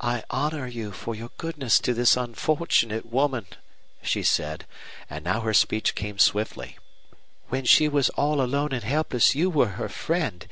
"I honor you for your goodness to this unfortunate woman," she said, and now her speech came swiftly. "When she was all alone and helpless you were her friend.